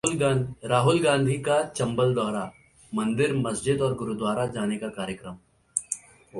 राहुल गांधी का चंबल दौरा, मंदिर, मस्जिद और गुरुद्वारा जाने का कार्यक्रम